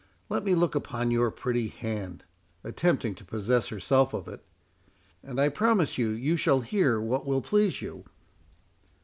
Let me look upon your pretty hand,—(attempting to possess herself of it,)—and I promise you, you shall hear what will please you."